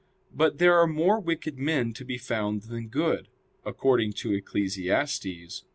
But there are more wicked men to be found than good; according to Eccles.